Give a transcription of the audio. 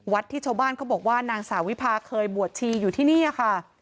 ที่ชาวบ้านเขาบอกว่านางสาววิพาเคยบวชชีอยู่ที่นี่ค่ะ